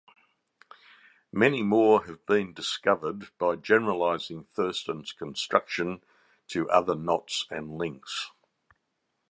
Many more have been discovered by generalizing Thurston's construction to other knots and links.